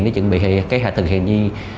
để chuẩn bị thực hiện